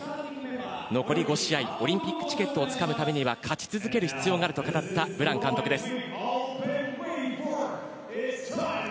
残り５試合オリンピックチケットをつかむためには勝ち続ける必要があると語ったブラン監督です。